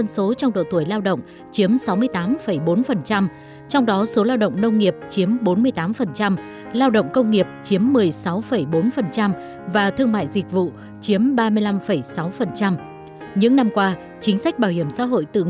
xin chào và hẹn gặp lại